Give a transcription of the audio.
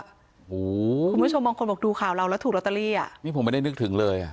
คุณผู้ชมบางคนบอกดูข่าวเราแล้วถูกลอตเตอรี่อ่ะนี่ผมไม่ได้นึกถึงเลยอ่ะ